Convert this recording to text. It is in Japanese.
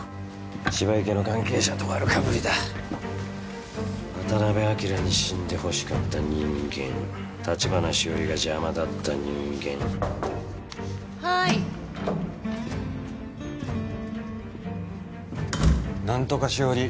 芝池の関係者と丸かぶりだ渡辺昭に死んでほしかった人間橘しおりが邪魔だった人間はーいナントカしおり